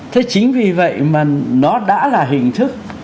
thế chính vì vậy mà nó đã là hình thức